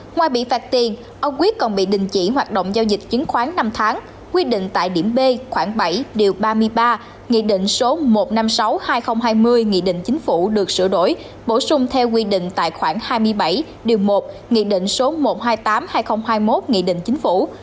ngoài bị phạt tiền ông quyết còn bị đình chỉ hoạt động giao dịch chứng khoán năm tháng quy định tại điểm b khoảng bảy điều ba mươi ba nghị định số một trăm năm mươi sáu hai nghìn hai mươi nghị định chính phủ được sửa đổi bổ sung theo quy định tại khoảng hai mươi bảy điều một nghị định số một trăm hai mươi tám hai nghìn hai mươi một nghị định chính phủ